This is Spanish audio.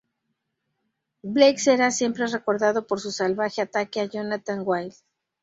Blake será siempre recordado por su salvaje ataque a Jonathan Wild.